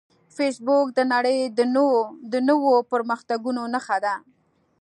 فېسبوک د نړۍ د نوو پرمختګونو نښه ده